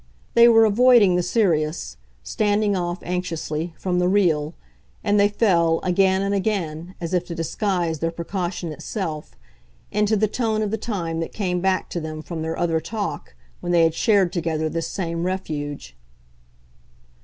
They were avoiding the serious, standing off, anxiously, from the real, and they fell, again and again, as if to disguise their precaution itself, into the tone of the time that came back to them from their other talk, when they had shared together this same refuge.